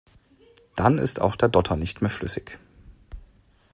Dann ist auch der Dotter nicht mehr flüssig.